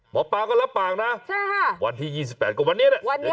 หมอปลาก็รับปากนะวันที่๒๘ก็วันนี้นะ